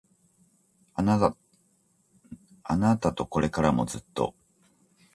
あなたとこれからもずっと